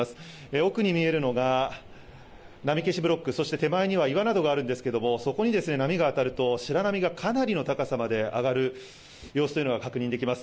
奥に見えるのが波消しブロック、手前には岩などがあるんですがそこに波が当たると白波がかなりの高さまで上がる様子というのが確認できます。